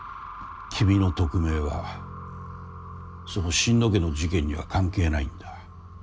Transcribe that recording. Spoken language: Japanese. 君の特命はその心野家の事件には関係ないんだ。